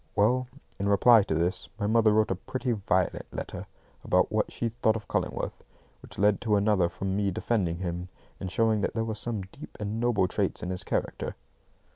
Well, in reply to this, my mother wrote a pretty violent letter about what she thought of Cullingworth, which led to another from me defending him, and showing that there were some deep and noble traits in his character.